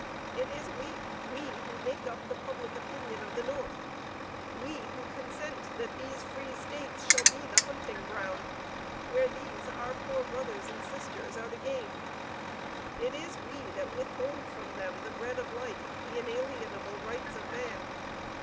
It is we, we who make up the public opinion of the North, we who consent that these free States shall be the hunting ground, where these, our poor brothers and sisters, are the game; it is we that withhold from them the bread of life, the inalienable rights of man.